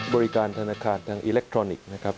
บริการธนาคารทางอิเล็กทรอนิกส์นะครับ